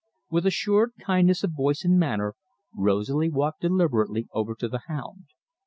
With assured kindness of voice and manner, Rosalie walked deliberately over to the hound.